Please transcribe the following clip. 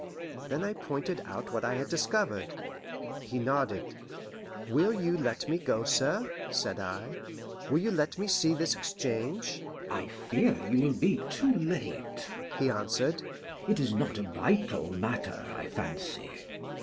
Then I pointed out what I had discovered. He nodded. "Will you let me go, sir?" said I. "Will you let me see this exchange?" "I fear you will be too late," he answered. "It is not a vital matter, I fancy."